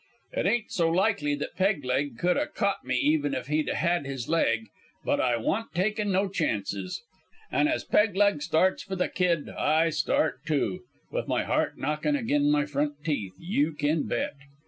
"It ain't so likely that Peg leg could 'a' caught me even if he'd had his leg, but I wa'n't takin' no chances. An' as Peg leg starts for the kid I start, too with my heart knockin' agin my front teeth, you can bet.